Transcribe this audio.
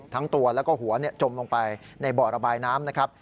ทั้งตัวแล้วก็หัวจมลงไปในบ่อระบายน้ำนะครับ